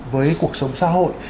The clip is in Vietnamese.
với cuộc sống xã hội